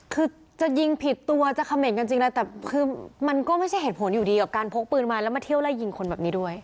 คือจะยิงผิดตัวจะเขม่นกันจริงแล้วแต่คือมันก็ไม่ใช่เหตุผลอยู่ดีกับการพกปืนมาแล้วมาเที่ยวไล่ยิงคนแบบนี้ด้วย